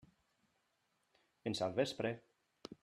Fins al vespre.